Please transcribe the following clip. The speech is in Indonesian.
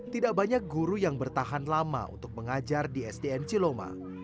tidak banyak guru yang bertahan lama untuk mengajar di sdn ciloma